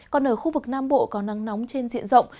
còn ở khu vực nam bộ có nắng nóng trên diện rộng